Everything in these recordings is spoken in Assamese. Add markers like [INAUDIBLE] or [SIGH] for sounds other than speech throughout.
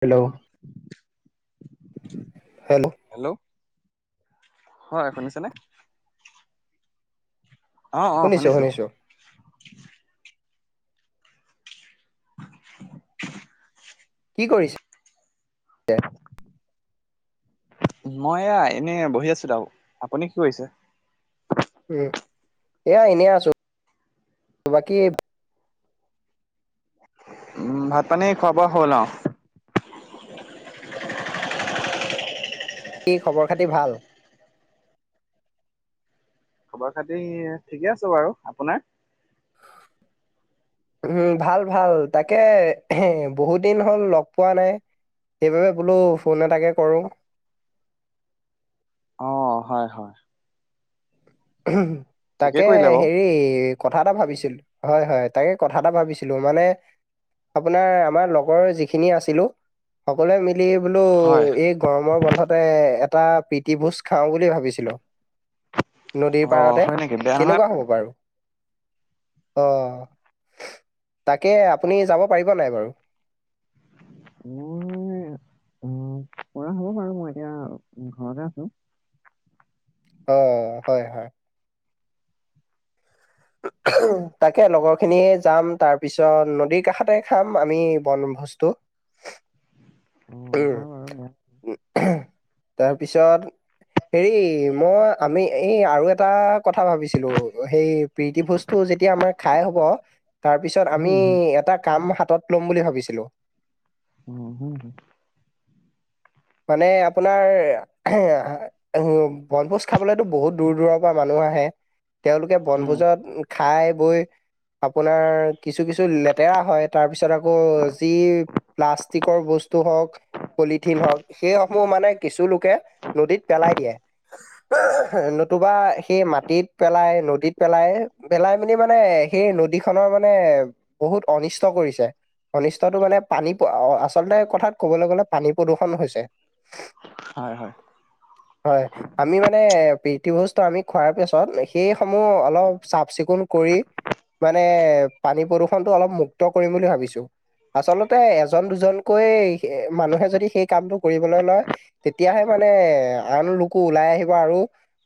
হেল্ল' [UNINTELLIGIBLE] হেল্ল' হেল্ল' হয় শুনিছেনে অ অ শুনিছো [UNINTELLIGIBLE] কি কৰিছে মই এয়া এনে বহি আছিলো আউ আপুনি কি কৰিছে উম এয়া এনে আছো বাকী উম ভাত পানী খোৱো বোৱা হ'ল আওঁ কি খবৰ খাতি ভাল খবৰ খাতি ঠিকে আছে বাৰু আপোনাৰ উম ভাল ভাল তাকে এ বহুত দিন হ'ল লগ পোৱা নাই সেইবাবে বোলো ফোন এটাকে কৰোঁ অ হয় হয় ঠিকে তাকে কৰিলে বাৰু। হেৰি কথা এটা ভাবিছিল হয় হয় তাকে কথা এটা ভাবিছিলো মানে আপোনাৰ আমাৰ লগৰ যিখিনি আছিলো সকলোৱে মিলি বোলো হয় এই গৰমৰ বন্ধতে এটা প্ৰিতি ভোজ খাও বুলি ভাবিছিলো অ নদীৰ পাৰতে হয় নেকি বেয়া নহয়। কেনেকুৱা হ'ব বাৰু অ', তাকে আপুনি যাব পাৰিব নাই বাৰু? মই অ', পৰা হ'ব বাৰো মই এতিয়া ঘৰতে আছো। অ', হয় হয়। তাকে লগৰ খিনিয়ে যাম, তাৰপিছত নদীৰ কাষতে খাম, আমি বন ভোজটো। উম, হয় বাৰু। তাৰপিছত হেৰি মই, আমি এই আৰু এটা কথা ভাবিছিলোঁ, হেৰি প্ৰীতিভোজটো যেতিয়া আমাৰ খাই হ'ব তাৰপিছত আমি উম হুম এটা কাম হাতত ল'ম বুলি ভাবিছিলোঁ। উম, হুম, [UNINTELLIGIBLE] মানে আপোনাৰ [UNINTELLIGIBLE] অহ, বনভোজ খাবলৈতো, বহুত দূৰ দূৰৰ পৰা মানুহ আহে। তেওঁলোকে উম বনভোজত খাই বৈ আপোনাৰ কিছু কিছু লেতেৰা হয়, তাৰপিছত আকৌ যি প্লাষ্টিকৰ বস্তু হওঁক, পলিথিন হওঁক সেইসমূহ মানে কিছু লোকে নদীত পেলাই দিয়ে। [UNINTELLIGIBLE] নতুবা সেই মাটিত পেলাই, নদীত পেলাই পেলাই মেলি মানে, সেই নদীখনৰ মানে বহুত অনিষ্ট কৰিছে, অনিষ্টটো মানে পানী আচলতে কথাত ক'বলৈ গ'লে, পানী প্ৰদূষন হৈছে। হয় হয়। হয়, আমি মানে, প্ৰীতিভোজটো আমি খোৱাৰ পিছত সেইসমূহ অলপ চাফ চিকুণ কৰি, মানে পানী প্ৰদূষণ টো অলপ মুক্ত কৰিম বুলি ভাবিছোঁ। আচলতে, এজন দুজনকৈ মানুহে যদি সেই কামটো [UNINTELLIGIBLE] লয়, তেতিয়াহে মানে আন লোকো ওলাই আহিব, আৰু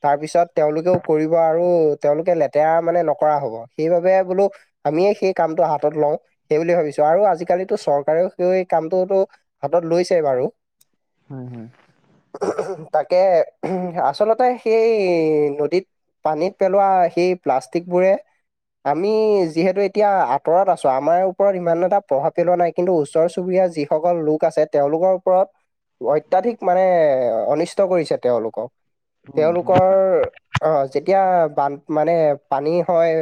তাৰপিছত তেওঁলোকেও কৰিব আৰু তেওঁলোকে লেতেৰা মানে নকৰা হ'ব, সেইবাবে বোলো আমিয়েই সেই কামটো হাতত লওঁ, সেই বুলি ভাবিছোঁ আৰু আজিকালিতো চৰকাৰেও সেই কামটোতো হাতত লৈছেই বাৰু। হয় হয়। তাকেহে, আচলতে সেই নদীত পানীত পেলোৱা সেই প্লাষ্টিকবোৰে আমি যিহেতু এতিয়া আঁতৰত আছোঁ, আমাৰ ওপৰত ইমান এটা প্ৰভাৱ পেলোৱা নাই। কিন্তু ওচৰ চুবুৰীয়াৰ যিসকল লোক আছে, তেওঁলোকৰ ওপৰত অত্যাধিক মানে অনিষ্ট কৰিছে তেওঁলোকক। উম তেওঁলোকৰ হয় অ', যেতিয়া বান মানে পানী হয়,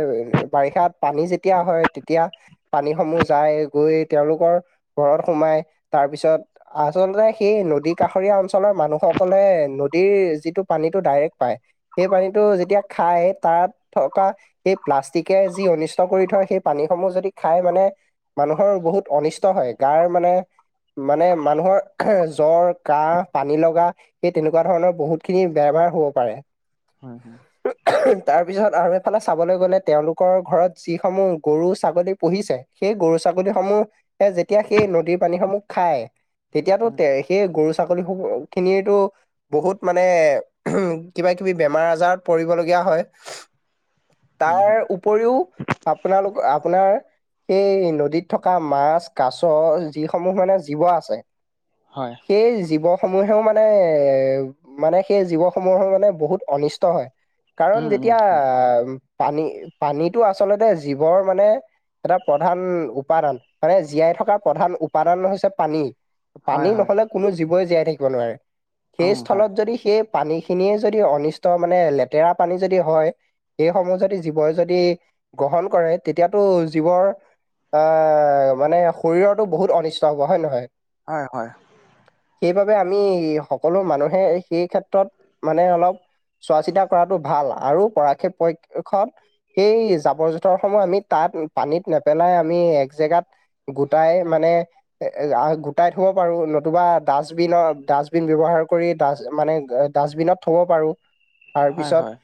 বাৰিষাত পানী যেতিয়া হয়, তেতিয়া পানীসমূহ যায়, গৈ তেওঁলোকৰ ঘৰত সোমাই, তাৰপিছত আচলতে, সেই নদী কাষৰীয়া অঞ্চলৰ মানুহসকলে নদীৰ যিটো পানীটো ডাইৰেক্ট পায়। সেই পানীটো যেতিয়া খায়, তাত থকা সেই প্লাষ্টিকে যি অনিষ্ট কৰি থয়, সেই পানীসমূহ যদি খাই মানে মানুহৰ বহুত অনিষ্ট হয়, গাৰ মানে, মানে মানুহৰ জ্বৰ, কাহ, পানী লগা সেই তেনেকুৱা ধৰণৰ বহুত খিনি বেমাৰ হ'ব পাৰে। হয় হয়। [INAUDIBLE] তাৰ পিছত আৰু চাবলৈ গ'লে তেওঁলোকৰ ঘৰত যিসমূহ গৰু ছাগলী পুহিছে সেই গৰু ছাগলীসমূহ যেতিয়া সেই নদীৰ পানীসমূহ খায় তেতিয়াতো হয় তে সেই গৰু ছাগলী স খিনিয়েটো বহুত মানে কিবা কিবি বেমাৰ আজাৰত পৰিবলগীয়া হয় হয় তাৰ হয়। উপৰিও আপোনালোক আপোনাৰ সেই নদীত থকা মাছ কাছ যিসমূহ মানে জীৱ আছে হয় সেই জীৱসমূহেও মানে মানে সেই জীৱসমূহৰ মানে বহুত অনিষ্ট হয় কাৰণ উম উম যেতিয়া হয় আহ পানী পানীতটো আচলতে জীৱৰ মানে এটা প্ৰধান উপাদান মানে জীয়াই থকাৰ প্ৰধান উপাদান হৈছে পানী হয় পানী হয় নহলে কোনো জীৱই জীয়াই থাকিব নোৱাৰে সেই উম হয় স্থলত যদি সেই পানী খিনিয়ে যদি অনিষ্ট মানে লেতেৰা পানী যদি হয় সেইসমূহ যদি জীৱই যদি গ্ৰহণ কৰে তেতিয়াতো জীৱৰ অ মানে শৰীৰতো বহুত অনিষ্ট হ'ব হয় নহয় হয় হয় সেইবাবে আমি সকলো মানুহে সেই ক্ষেত্ৰত মানে অলপ চোৱা চিতা কৰাটো ভাল আৰু পৰাক্ষেপ খ সেই জাবৰ জোঁথৰ সমূহ আমি তাত পানীত নেপেলাই আমি এক জেগাত গোটাই মানে আহ গুটাই থ'ব পাৰোঁ নতুবা ডাষ্টবিনত ডাষ্টবিন ব্যৱহাৰ কৰি ডাষ্ট মানে ডাষ্টবিনত থ'ব পাৰোঁ তাৰ হয় পিছত হয়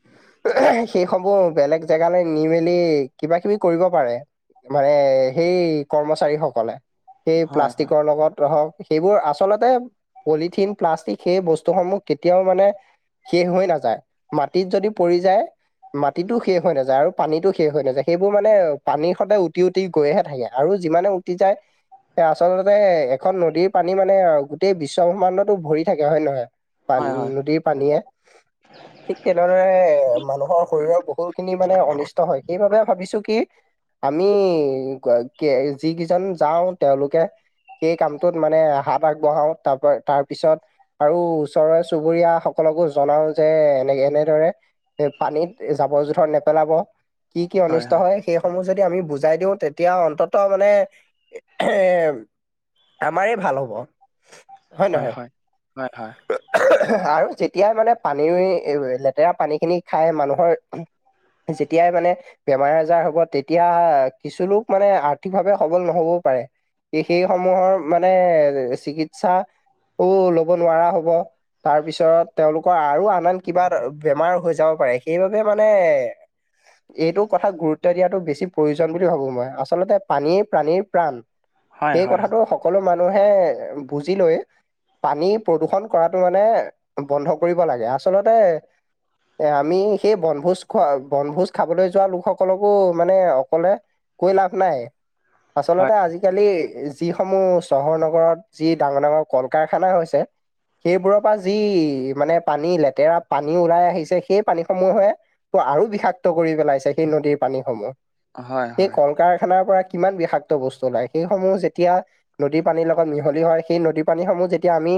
সেইসমূহ বেলেগ জেগালৈ নি মেলি কিবা কিবি কৰিব পাৰে মানে সেই কৰ্মচাৰী সকলে সেই হয় হয় প্লাষ্টিকৰ লগত হক সেইবোৰ আচলতে পলিথিন প্লাষ্টিক সেই বস্তুসমূহ কেতিয়াও মানে শেষ হৈ নাযায় মাটিত যদি পৰি যায় মাটিতো শেষ হৈ নাযায় আৰু পানীটো শেষ হৈ নাযায় সেইবোৰ মানে পানীৰ সদায় উটি উঠ উটি গৈহে থাকে আৰু যিমানে উটি যায় স আচলতে এখন নদীৰ পানী মানে গোটেই বিশ্বব্ৰহ্মাণ্ডতো ভৰি থাকে হয় নে নহয় পান হয় হয় নদীৰ পানীয়ে ঠিক তেনেদৰে মানুহৰ শৰীৰৰ বহুতখিনি মানে অনিষ্ট হয় সেইবাবে ভাবিছোঁ কি আমি যিকেইজন যাওঁ তেওঁলোকে সেই কামটোত মানে হাত আগবঢ়াও তাৰপ তাৰ পিছত আৰু ওচৰৰে চুবুৰীয়া সকলকো জনাও যে এনে এনেদৰে এ পানীত জাবৰ জোথৰ নেপেলাব কি কি অনিষ্ট হয় সেইসমূহ যদি আমি বুজাই দিওঁ তেতিয়া অন্তত মানে এ আমাৰে ভাল হ'ব হয় নহয় আৰু যেতিয়াই মানে পানী লেতেৰা পানীখিনি খাই মানুহৰ যেতিয়াই মানে বেমাৰ আজাৰ হ'ব তেতিয়া কিছু লোক মানে আৰ্থিকভাৱে সবল নহবও পাৰে সেই সমূহৰ মানে চিকিৎসাও লব নোৱাৰা হব তাৰ পিছত তেওঁলোকৰ আৰু আন আন কিবা বেমাৰ হৈ যাব পাৰে সেইবাবে মানে এইটো কথাত গুৰুত্ব দিয়াতো বেছি প্ৰয়োজন বুলি ভাবো মই আচলতে পানীয়ে প্ৰাণীৰ প্ৰাণ হয় সেই হয় কথাটো সকলো মানুহে বুজি লৈ পানী প্ৰদূষন কৰাটো মানে বন্ধ কৰিব লাগে। আচলতে এ, আমি সেই বনভোজ খোৱা, বনভোজ খাবলৈ যোৱা লোকসকলকো মানে অকলে কৈ লাভ নাই, হয় আচলতে আজিকালি যিসমূহ চহৰ নগৰত যি ডাঙৰ ডাঙৰ কল কাৰখানা হৈছে সেইবোৰৰ পৰা যি মানে পানী, লেতেৰা পানী ওলাই আহিছে সেই পানীসমূহে ত' আৰু বিষাক্ত কৰি পেলাইছে সেই নদীৰ পানীসমূহ। হয় হয় সেই হয় কল কাৰখানাৰ পৰা কিমান বিষাক্ত বস্তু ওলাই সেইসমূহ যে তিয়া নদীৰ পানীৰ লগত মিহলি হয় সেই নদী পানী সমূহ যেতিয়া আমি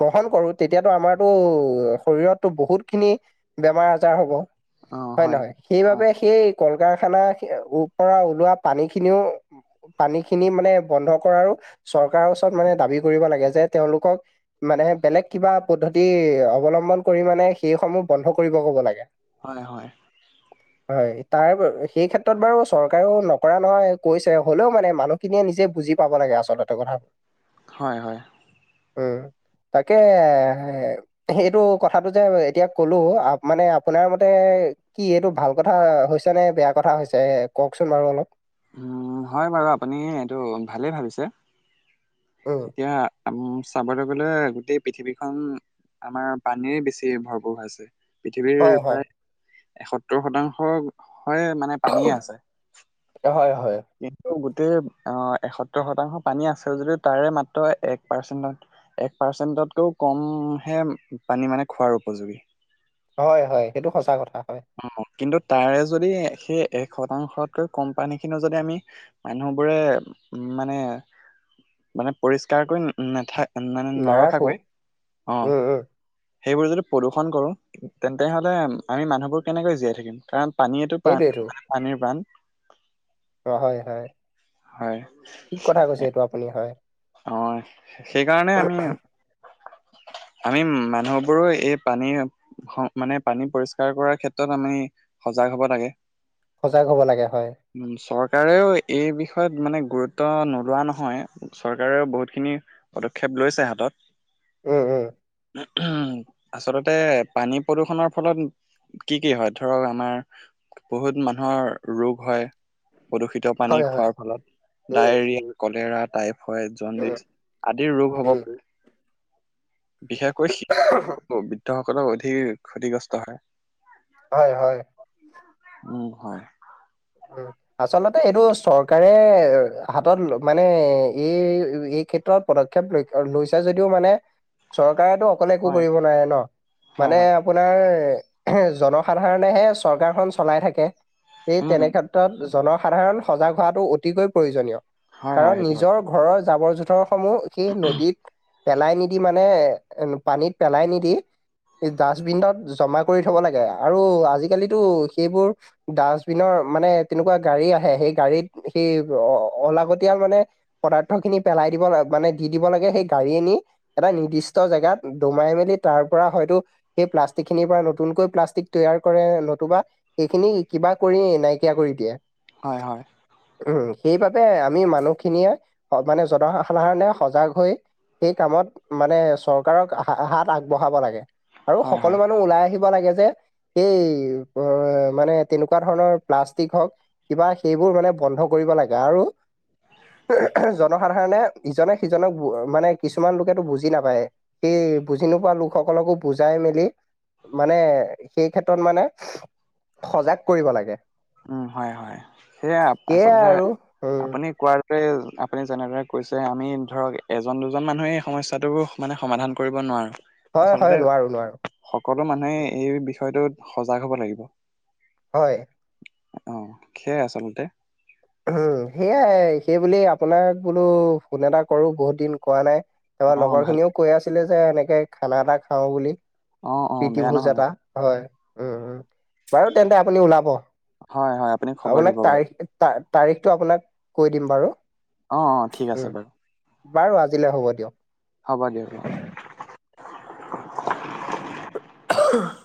গ্ৰহণ কৰোঁ তেতিয়াতো আমাৰতো শৰীৰতো বহুতখিনি বেমাৰ আজাৰ হ'ব অ হয় নহয়? হয় সেইবাবে সেই কল কাৰখানা পৰা ওলোৱা পানী খিনিও পানীখিনি মানে বন্ধ কৰাৰো চৰকাৰৰ ওচৰত মানে দাবী কৰিব লাগে যে তেওঁলোকক মানে বেলেগ কিবা পদ্ধতি অৱলম্বন কৰি মানে সেইসমূহ বন্ধ কৰিব ক'ব লাগে। হয় হয়। [UNINTELLIGIBLE] হয়। তাৰ সেই ক্ষেত্ৰত বাৰু চৰকাৰেও নকৰা নহয় কৈছে হ'লেও মানে মানুহখিনিয়ে নিজে বুজি পাব লাগে আচলতে কথা হয় হয়। উম, তাকে সেইটো কথাটো যে এতিয়া ক'লোঁ আ, মানে আপোনাৰ মতে কি এইটো ভাল কথা হৈছে নে বেয়া কথা হৈছে কওকচোন বাৰু অলপ। উম, হয় বাৰু, আপুনি এইটো ভালেই ভাবিছে। উম। এতিয়া চাবলৈ গ'লে গোটেই পৃথিৱীখন আমাৰ পানীৰে বেছি ভৰপূৰ হৈছে। পৃথিৱীৰ হয়, হয়, প্ৰায় এসত্তৰ শতাংশ, হয় মানে পানীয়ে আছে। হয় হয়। কিন্তু গোটেই আহ, এসত্তৰ শতাংশ পানী আছে যদিও তাৰে মাত্ৰ এক পাৰ্চেন্টত এক পাৰ্চেণ্টতকৈও কমহে পানী মানে খোৱাৰ উপযোগী। হয় হয় সেইটো সঁচা কথা হয়। অ' কিন্তু তাৰে যদি সেই এক শতাংশতকৈ কম পানীখিনি যদি আমি মানুহবোৰে উ, মানে মানে পৰিষ্কাৰকৈ না-নাথা মানে নাৰাখো, নৰখাকৈ, অ'। উম, উম, সেইবোৰ যদি প্ৰদূষণ কৰোঁ তেন্তে হ'লে আমি মানুহবোৰ কেনেকৈ জীয়াই থাকিম কাৰণ পানীয়েটো পান সেইটোৱেইটো মানে প্ৰাণীৰ পান। অ' হয় হয়। হয়। ঠিক কথা কৈছে এইটো আপুনি হয়। অ' সেইকাৰণে আমি আমি মানুহবোৰো এই পানীৰ হ মানে পানী পৰিষ্কাৰ কৰাৰ ক্ষেত্ৰত আমি সজাগ হ'ব লাগে। সজাগ হ'ব লাগে হয়। উ, চৰকাৰেও এই বিষয়ত মানে গুৰুত্ব নোলোৱা নহয়। চৰকাৰেও বহুতখিনি পদক্ষেপ লৈছে হাতত। উম' উম'। উম' আচলতে পানী প্ৰদূষণৰ ফলত কি কি হয় ধৰক আমাৰ, বহুত মানুহৰ ৰোগ হয়। প্ৰদূষিত পানী হয়, হয়, খোৱাৰ ফলত উম, ডায়েৰিয়া কলেৰা টাইপ। হয় জণ্ডিছ উম, আদিৰ ৰোগ হ'ব উম, পাৰে। বিশেষকৈ শিশু বৃদ্ধসকলৰ অধিক ক্ষতিগ্ৰস্ত হয়। হয় হয়। উম হয়। উম আচলতে এইটো চৰকাৰে হাতত ল মানে এই এই ক্ষেত্ৰত, পদক্ষেপ লৈ লৈছে যদিও মানে চৰকাৰো অকলে একো হয়, কৰিব নোৱাৰে ন হয়, মানে, হয়, আপোনাৰ জনসাধাৰণেহে চৰকাৰখন চলাই থাকে। উম। তেনেক্ষেত্ৰত জনসাধাৰণ সজাগ হোৱাটো অতিকৈ প্ৰয়োজনীয় হয় হয় কাৰণ সেইটো নিজৰ, ঘৰৰ জাবৰ জোথৰ সমূহ সেই নদীত পেলাই নিদি মানে, মানে পানীত পেলাই নিদি। ডাষ্টবিনত জমা কৰি থব লাগে আৰু আজিকালিতো সেইবোৰ ডাষ্ট, বিনৰ মানে তেনেকুৱা গাড়ী আহে সেই গাড়ীত সেই অলাগতিয়াল মানে, পদাৰ্থ খিনি পেলাই দিব ল মানে দি দিব লাগে সেই গাড়ীয়ে নি এটা নিৰ্দিষ্ট জেগাত দমাই মেলি তাৰ পৰা হয়তো, সেই প্লাষ্টিক খিনিৰ পৰা নতুনকৈ প্লাষ্টিক তৈয়াৰ কৰে নতুবা সেইখিনি কিবা, কৰিয়েই নাইকিয়া কৰি দিয়ে। হয় হয়। উম সেইবাবে আমি মানুহখিনিয়ে মানে জনসাধাৰণে সজাগ হৈ, সেই কামত মানে চৰকাৰক হা হাত আগবঢ়াব লাগে। আৰু হয় হয় সকলো মানুহ ওলাই আহিব লাগে যে এইেই অ মানে তেনেকুৱা, তেনেকুৱা ধৰণৰ প্লাষ্টিক হওক কিবা সেইবোৰ মানে বন্ধ কৰিব লাগে আৰু, জনসাধাৰণে ইজনে সিজনক মানে কিছুমান লোকে ত বুজি নাপায়। সে বুজি নোপোৱা লোকসকলকো বুজাই মেলি। মানে সেই ক্ষেত্ৰত মানে সজাগ কৰিব লাগে। উম হয় হয় সেয়া সেয়াই আচলতে আৰু উম, আপুনি কোৱাৰ, আপুনি যেনেদৰে কৈছে আমি ধৰক এজন দুজন মানুহে এই সমস্যাটো, মানে সমাধান কৰিব নোৱাৰো। হয় আচলতে হয় নোৱাৰো নোৱাৰো। সকলো মানুহে উম, এই বিষয়টোত সজাগ হব লাগিব। হয়। অ সেয়াই আচলতে। উম সেয়াই সেই বুলি আপোনাক বোলো ফোন এটা কৰো বহুত দিন কোৱা নাই। ত অ লগৰ ভাল খিনিও কৈ আছিলে যে এনেকে খানা এটা খাওঁ বুলি অ অ বেয়া প্ৰীতিভোজ নহয় এটা। হয় উমম বাৰু তেন্তে আপুনি ওলাব হয় হয় আপুনি খবৰ আপোনাক দিব বাৰু তাৰিখ, তা তাৰিখটো আপোনাক কৈ দিম বাৰু। অ অ ঠিক উম আছে বাৰু। বাৰু আজিলৈ হ'ব দিয়ক। হব দিয়ক অ। [UNINTELLIGIBLE]